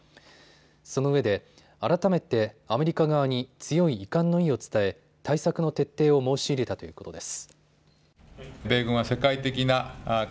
そのうえで改めてアメリカ側に強い遺憾の意を伝え対策の徹底を申し入れたということです。